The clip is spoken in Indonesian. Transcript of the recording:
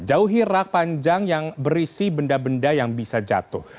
jauhi rak panjang yang berisi benda benda yang bisa jatuh